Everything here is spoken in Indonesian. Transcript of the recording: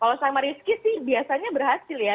kalau sama rizky sih biasanya berhasil ya